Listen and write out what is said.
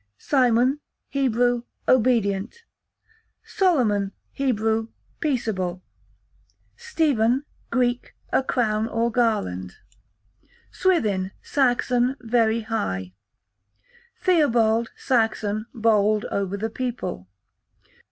Simon, Hebrew, obedient. Solomon, Hebrew, peaceable. Stephen, Greek, a crown or garland. Swithin, Saxon, very high. Theobald, Saxon, bold over the people.